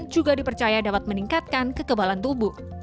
tapi jika anda tidak percaya dapat meningkatkan kekebalan tubuh